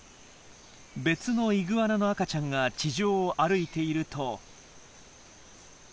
別のイグアナの赤ちゃんが地上を歩いていると。